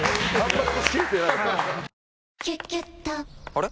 あれ？